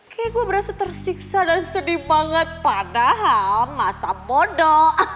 kayaknya gue berasa tersiksa dan sedih banget padahal masa bodoh